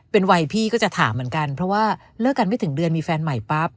เป็นวัยพี่ก็จะถามเหมือนกันเพราะว่าเลิกกันไม่ถึงเดือนมีแฟนใหม่ปั๊บ